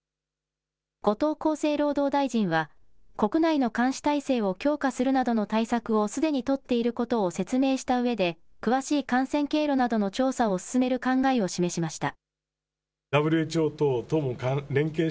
後藤厚生労働大臣は、国内の監視体制を強化するなどの対策をすでに取っていることを説明したうえで、詳しい感染経路などの調査を進める考えを示しました。